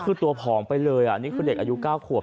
คือตัวผอมไปเลยนี่คือเด็กอายุ๙ขวบ